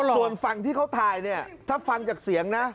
ส่วนฝั่งที่เขาถ่ายเนี่ยถ้าฟังจากเสียงนะ